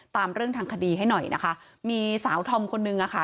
ตามเรื่องทางคดีให้หน่อยนะคะมีสาวธอมคนนึงอะค่ะ